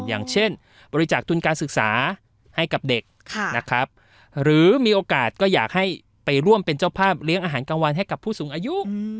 อย่างเช่นบริจาคทุนการศึกษาให้กับเด็กนะครับหรือมีโอกาสก็อยากให้ไปร่วมเป็นเจ้าภาพเลี้ยงอาหารกลางวันให้กับผู้สูงอายุ